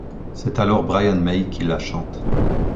C'est alors Brian May qui la chante.